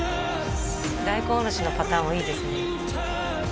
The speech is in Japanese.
大根おろしのパターンもいいですね